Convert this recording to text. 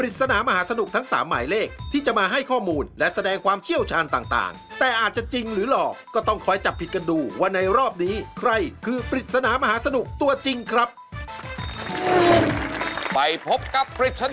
ทั้งสามท่านเลยครับ